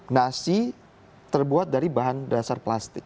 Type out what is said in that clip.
nasi terbuat dari bahan dasar plastik